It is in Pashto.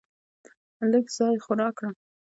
لږ ځای خو راکړه .